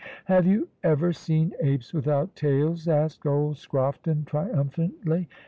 "Have you ever seen apes without tails?" asked old Scrofton triumphantly.